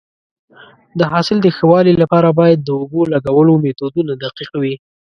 د حاصل د ښه والي لپاره باید د اوبو لګولو میتودونه دقیق وي.